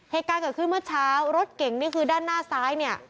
เหตุการณ์เกิดขึ้นเมื่อเช้ารถเก่งนี่คือด้านหน้าซ้ายเนี่ย